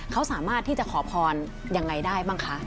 เขาสามารถที่จะขอพรยังไงได้บ้างคะ